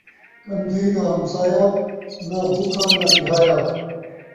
کن٘دھی دا ہمسایہ ، ناں بکھا ناں تریہایا